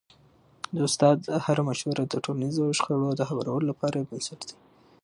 د استاد هره مشوره د ټولنیزو شخړو د هوارولو لپاره یو بنسټ دی.